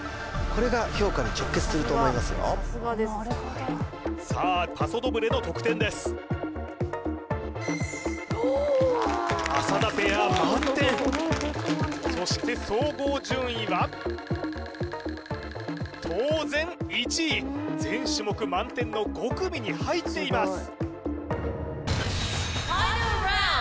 これが評価に直結すると思いますよさあパソドブレの得点です浅田ペア満点そして総合順位は当然１位全種目満点の５組に入っています